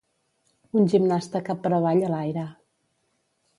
Un gimnasta cap per avall a l'aire.